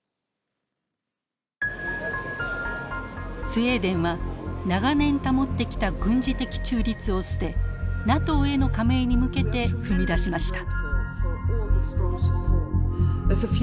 スウェーデンは長年保ってきた軍事的中立を捨てＮＡＴＯへの加盟に向けて踏み出しました。